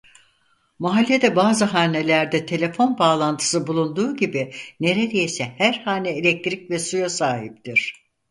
Mahallede bazı hanelerde telefon bağlantısı bulunduğu gibi neredeyse her hane elektrik ve suya sahiptir.